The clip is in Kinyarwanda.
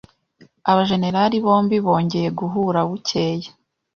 Abajenerali bombi bongeye guhura bukeye.